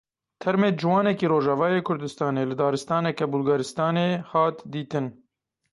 Termê ciwanekî Rojavayê Kurdistanê li daristaneke Bulgaristanê hat dîtin.